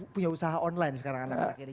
punya usaha online sekarang anak anak ini